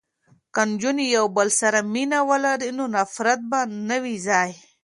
که نجونې یو بل سره مینه ولري نو نفرت به نه وي ځای.